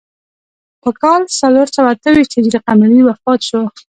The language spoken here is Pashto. په کال څلور سوه اته ویشت هجري قمري وفات شو.